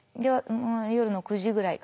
夜の９時ぐらいかな。